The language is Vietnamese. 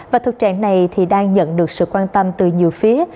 và thực trạng này thì đang nhận được sự quan tâm từ nhiều phía